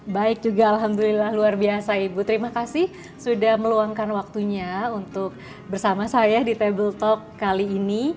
baik juga alhamdulillah luar biasa ibu terima kasih sudah meluangkan waktunya untuk bersama saya di table talk kali ini